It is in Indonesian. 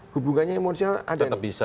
hubungannya emosional ada nih